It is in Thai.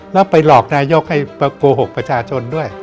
แล้วไปหลอกนายกให้โกหกประชาชนด้วย